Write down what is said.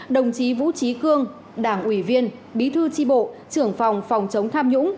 đồng chí vũ trí cương đảng ủy viên bí thư tri bộ trưởng phòng phòng chống tham nhũng